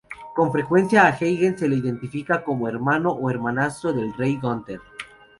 Con frecuencia a Hagen se le identifica como hermano o hermanastro del rey Gunter.